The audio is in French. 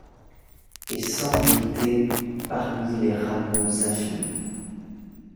Et sans guetter, parmi les rameaux infinis